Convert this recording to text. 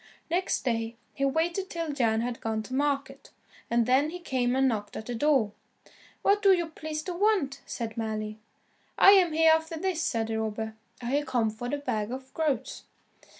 Next day, he waited till Jan had gone to market, and then he came and knocked at the door. "What do you please to want?" said Mally. "I am Hereafterthis," said the robber, "I have come for the bag of groats."